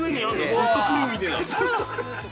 ソフトクリームみたいだ。